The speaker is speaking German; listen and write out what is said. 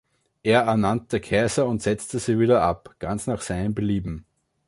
Er ernannte Kaiser und setzte sie wieder ab, ganz nach seinem Belieben.